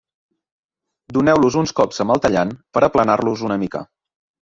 Doneu-los uns colps amb el tallant per a aplanar-los una mica.